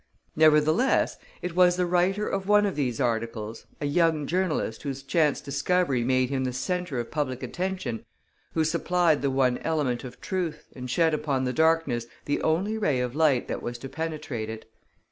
Nevertheless it was the writer of one of these articles, a young journalist whose chance discovery made him the centre of public attention, who supplied the one element of truth and shed upon the darkness the only ray of light that was to penetrate it.